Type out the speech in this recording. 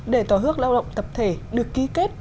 để tỏa ước lao động tập thể được ký kết